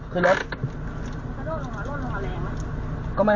มันจะโดดลงหรอโดดลงหรอแรงมั้ย